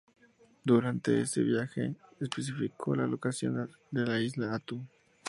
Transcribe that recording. Durante ese viaje especificó la localización de la isla Attu.